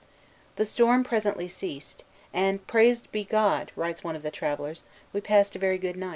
The storm presently ceased; and, "praised be God," writes one of the travellers, "we passed a very good night."